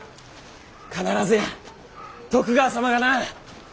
必ずや徳川様がな。